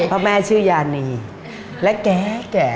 พระแม่ชื่อยานีและแก่